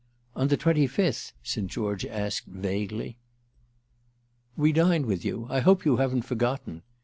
"On the twenty fifth?" St. George asked vaguely. "We dine with you; I hope you haven't forgotten.